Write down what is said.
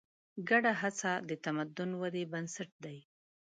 ګډه هڅه د تمدن ودې بنسټ دی.